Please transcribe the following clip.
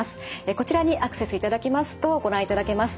こちらにアクセスいただきますとご覧いただけます。